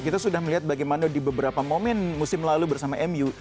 kita sudah melihat bagaimana di beberapa momen musim lalu bersama mu